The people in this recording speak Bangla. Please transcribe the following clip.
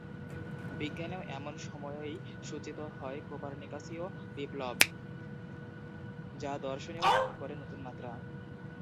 বিজ্ঞানেও এই সময়ই সূচিত হয় কোপার্নিকাসীয় বিপ্লব, যা দর্শনেও যোগ করে নতুন মাত্রা।